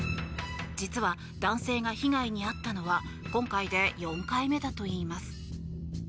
実は、男性が被害に遭ったのは今回で４回目だといいます。